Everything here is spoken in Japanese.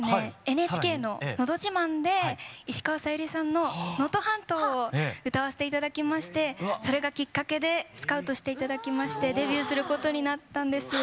ＮＨＫの「のど自慢」で石川さゆりさんの「能登半島」を歌わせて頂きましてそれがきっかけでスカウトして頂きましてデビューすることになったんです。